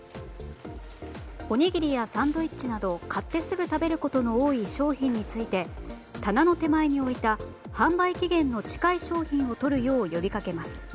おにぎりやサンドイッチなど買ってすぐ食べることの多い商品について棚の手前に置いた販売期限の近い商品を取るよう呼びかけます。